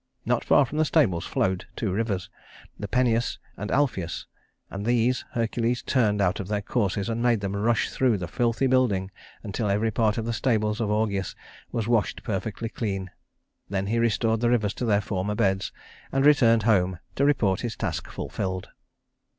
Not far from the stables flowed two rivers, the Peneus and Alpheus, and these Hercules turned out of their courses and made them rush through the filthy building until every part of the stables of Augeas was washed perfectly clean. Then he restored the rivers to their former beds, and returned home to report this task fulfilled.